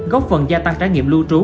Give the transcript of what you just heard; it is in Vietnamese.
góp phần gia tăng trải nghiệm lưu trú